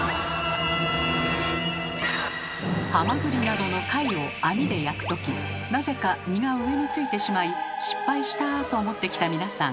ハマグリなどの貝を網で焼くときなぜか身が上についてしまい「失敗した！」と思ってきた皆さん。